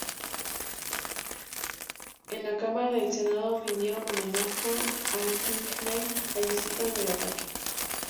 En la Cámara del Senado rindieron homenaje a Pinckney, fallecido en el ataque.